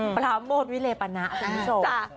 ปลาโมดวิเลปนะสินทรวป